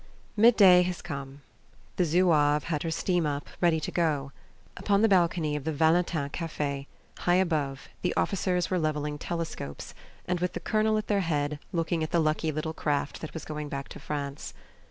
MID DAY has come. The Zouave had her steam up, ready to go. Upon the balcony of the Valentin Cafe, high above, the officers were levelling telescopes, and, with the colonel at their head, looking at the lucky little craft that was going back to France.